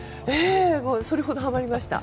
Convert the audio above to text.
それほどはまりました。